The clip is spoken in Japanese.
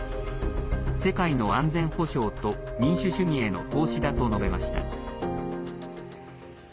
世界の安全保障と民主主義への投資だと述べました。